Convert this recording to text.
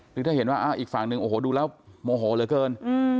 หรือถ้าเห็นว่าอีกฝั่งหนึ่งโอ้โหดูแล้วโมโหเหลือเกิน